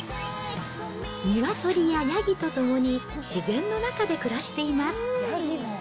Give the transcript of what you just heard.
ニワトリやヤギと共に、自然の中で暮らしています。